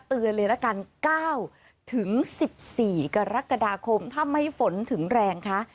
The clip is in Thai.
เตือนเลยละกัน๙๑๔กรกฎาคมถ้าไม่ฝนถึงแรงคะ